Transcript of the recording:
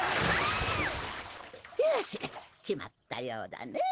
よし決まったようだね。